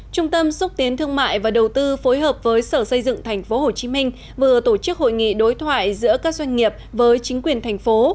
trung tâm xúc tiến thương mại và đầu tư phối hợp với sở xây dựng tp hcm vừa tổ chức hội nghị đối thoại giữa các doanh nghiệp với chính quyền thành phố